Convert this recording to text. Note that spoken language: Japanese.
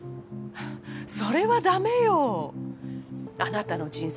それはダメよあなたの人生